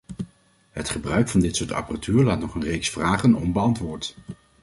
Het gebruik van dit soort apparatuur laat nog een reeks vragen onbeantwoord.